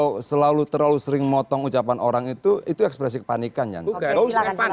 kalau terlalu sering motong ucapan orang itu itu ekspresi kepanikan